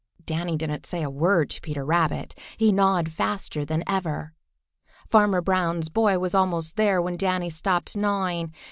Danny didn't say a word to Peter Rabbit, but gnawed faster than ever. Farmer Brown's boy was almost there when Danny stopped gnawing.